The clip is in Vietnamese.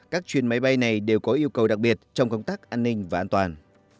các chuyến máy bay này đều có yêu cầu đặc biệt trong công tác an ninh và an toàn